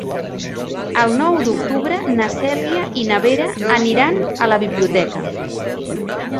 El nou d'octubre na Cèlia i na Vera aniran a la biblioteca.